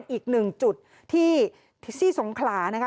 อีกหนึ่งจุดที่ที่สงขลานะคะ